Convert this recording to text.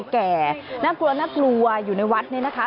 แก่น่ากลัวอยู่ในวัดเนี่ยนะคะ